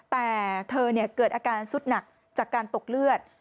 แต่เธอเกิดอาการสุดหนักจากการตกเลือด